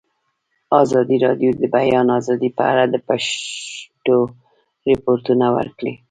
ازادي راډیو د د بیان آزادي په اړه د پېښو رپوټونه ورکړي.